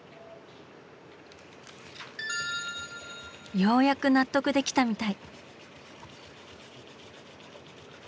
ようやく納得できたみたい。